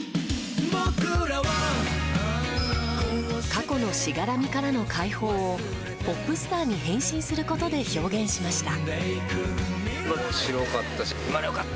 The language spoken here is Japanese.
過去のしがらみからの解放をポップスターに変身することで表現しました。